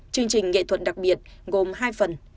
chương trình nghệ thuật đặc biệt gồm hai phần